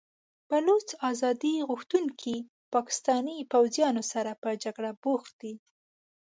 بلوڅ ازادي غوښتونکي له پاکستاني پوځیانو سره په جګړه بوخت دي.